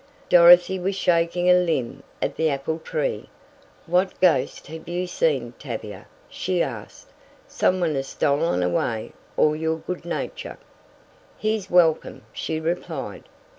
Dorothy was shaking a limb of the apple tree. "What ghost have you seen Tavia?" she asked. "Someone has stolen away all your good nature." "He's welcome," she replied.